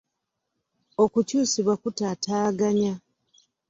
Okukyusibwa kutataaganya.